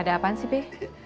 ada apaan sih be